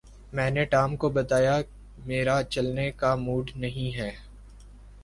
میں نے ٹام کو بتایا میرا چلنے کا موڈ نہیں ہے